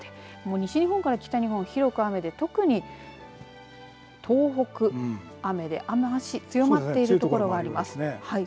西日本から北日本、広く雨で特に東北雨で雨足強まっているところがありますね。